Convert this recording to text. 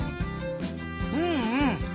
うんうん。